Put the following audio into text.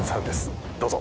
どうぞ。